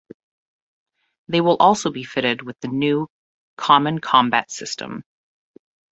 They will also be fitted with the new Common Combat System.